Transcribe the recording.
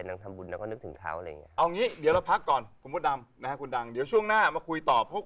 ฟังตะกูจคุณผู้ชม๒๐ดอก